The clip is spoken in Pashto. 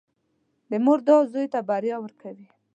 • د مور دعا زوی ته بریا ورکوي.